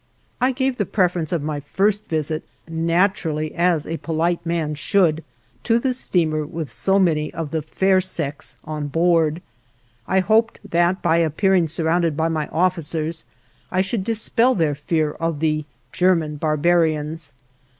I gave the preference of my first visit, naturally, as a polite man should, to the steamer with so many of the fair sex on board. I hoped that by appearing surrounded by my officers I should dispel their fear of the "German barbarians."